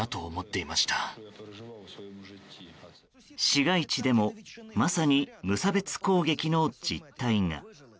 市街地でもまさに無差別攻撃の実態が。